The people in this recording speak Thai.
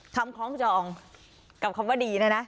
คำคล้องกรองกับคำว่าดีนะ